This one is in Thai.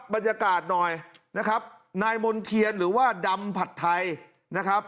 บรรยากาศหน่อยนะครับนายมณ์เทียนหรือว่าดำผัดไทยนะครับ